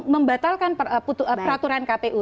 membatalkan peraturan kpu